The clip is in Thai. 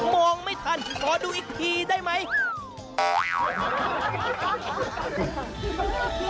มองไม่ทันขอดูอีกทีได้ไหม